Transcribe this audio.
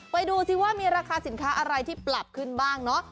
ไปดูซิว่ามีราคาสินค้าอะไรที่ปรับขึ้นบ้างเนาะ